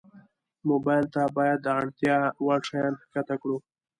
موبایل ته باید د اړتیا وړ شیان ښکته کړو.